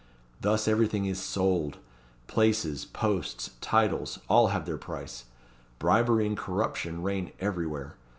Thus everything is sold; places, posts, titles, all have their price bribery and corruption reign everywhere.